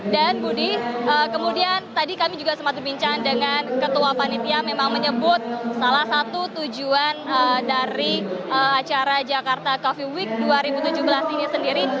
dan budi kemudian tadi kami juga sempat berbincang dengan ketua panitia memang menyebut salah satu tujuan dari acara jakarta coffee week dua ribu tujuh belas ini sendiri